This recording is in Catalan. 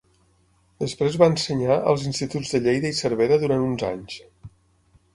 Després va ensenyar als instituts de Lleida i Cervera durant uns anys.